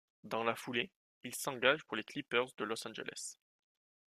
Dans la foulée, il s'engage pour les Clippers de Los Angeles.